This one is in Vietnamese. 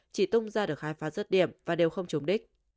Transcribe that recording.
chỉ tung ra được hai phá rớt điểm và đều không chống đích